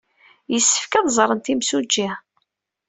Yessefk ad ẓrent imsujji.